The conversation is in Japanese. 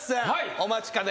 お待ちかね。